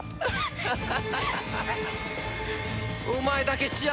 「ハハハハ！」